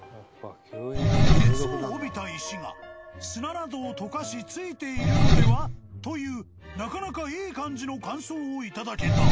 ［熱を帯びた石が砂などを溶かし付いているのでは？というなかなかいい感じの感想を頂けた］